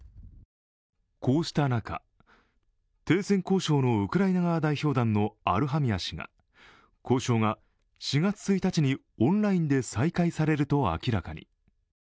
こうした中、停戦交渉のウクライナ側代表団のアルハミア氏が交渉が４月１日にオンラインで再開されると明らかに。